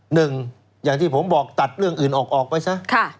อย่างที่ผมบอกตัดเรื่องอื่นออกไปซะ